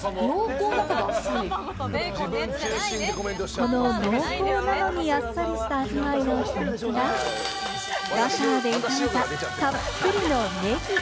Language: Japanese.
この濃厚なのに、あっさりした味わいの秘密が、バターで炒めたたっぷりのネギ。